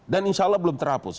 dan insya allah belum terhapus